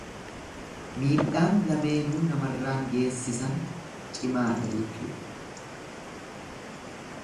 Miidhaan lameenuu namarraan geesisan cimaadha jechuudha.